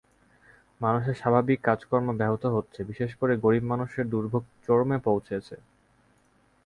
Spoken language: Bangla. মানুষের স্বাভাবিক কাজকর্ম ব্যাহত হচ্ছে, বিশেষ করে গরিব মানুষের দুর্ভোগ চরমে পৌঁছেছে।